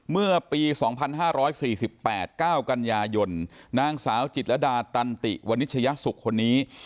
เมื่อปีสองพันห้าร้อยสี่สิบแปดเก้ากันยายนนางสาวจิตรรรดาตันติวนิชยสุขคนนี้